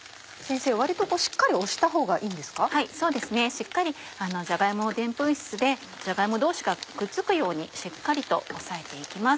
しっかりじゃが芋をでんぷん質でじゃが芋同士がくっつくようにしっかりと押さえて行きます。